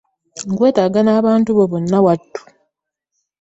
Nkwetaaga n'abantu bo bonna wattu.